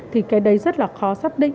thì cái đấy rất là khó xác định